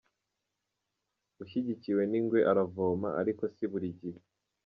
Ushyigikiwe n’ingwe aravoma, ariko si burigihe!